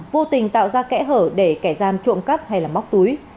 vô tình tạo ra kẽ hở để kẻ gian trộm cắp hay móc túi